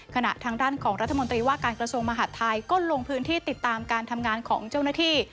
ขณะทางด้านของรัฐมนตรีว่าการกระทรวงมหาดไทยก็ลงพื้นที่ติดตามการทำงานของเจ้าหน้าที่